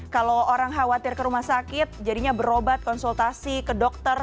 kalau orang khawatir ke rumah sakit jadinya berobat konsultasi ke dokter